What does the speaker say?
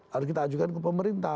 harus kita ajukan ke pemerintah